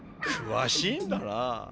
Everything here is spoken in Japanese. くわしいんだな。